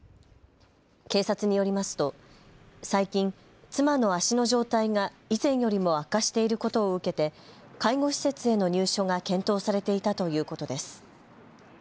警察によりますと最近、妻の足の状態が以前よりも悪化していることを受けて介護施設への入所が検討されていたということです。